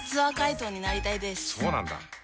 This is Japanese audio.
そうなんだ。